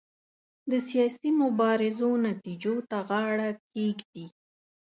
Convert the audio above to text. د سیاسي مبارزو نتیجو ته غاړه کېږدي.